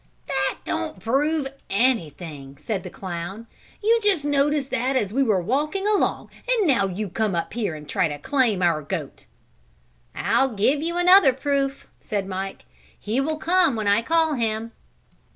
"That don't prove anything," said the clown. "You just noticed that as we were walking along, and now you come up here and try to claim our goat." "I'll give you another proof," said Mike. "He will come when I call him."